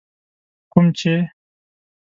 کوم چي